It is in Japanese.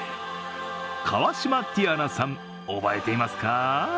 河島ティヤナさん、覚えていますか？